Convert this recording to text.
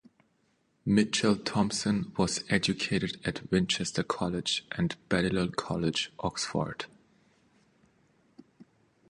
Mitchell-Thomson was educated at Winchester College and Balliol College, Oxford.